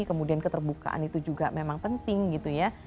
kemudian keterbukaan itu juga memang penting gitu ya